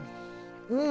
うん！